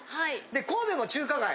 神戸も中華街！